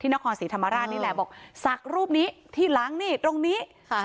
นครศรีธรรมราชนี่แหละบอกศักดิ์รูปนี้ที่หลังนี่ตรงนี้ค่ะ